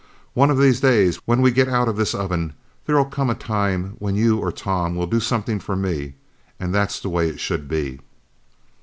One of these days, when we get out of this oven, there'll come a time when you or Tom will do something for me and that's the way it should be."